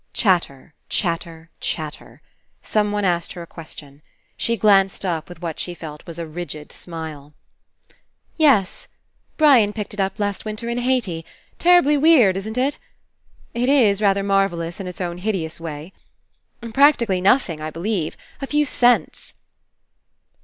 Chatter, chatter, chatter. Someone asked her a question. She glanced up with what she felt was a rigid smile. 165 PASSING *'Yes ... Brian picked it up last win ter in Haiti. Terribly weird, isn't it? ... It is rather marvellous in its own hideous way. ... Practically nothing, I believe. A few cents.